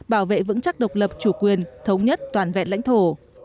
bảo vệ vững chắc độc lập chủ quyền thống nhất toàn vẹn lãnh thổ